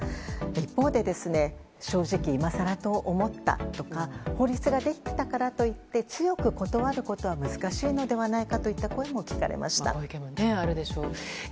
一方で、正直今更と思ったとか法律ができたからといって強く断ることは難しいのではないかといった声も聞かれました。